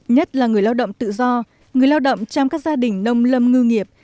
nhất là người lao động tự do người lao động trong các gia đình nông lâm ngư nghiệp